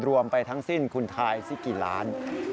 รวมไปทั้งสิ้นคุณทายสิกี่ล้าน